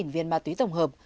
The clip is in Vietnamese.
bốn viên ma túy tổng hợp